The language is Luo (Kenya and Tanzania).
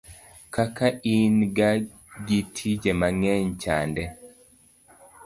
kaka in ga gi tije mang'eny chande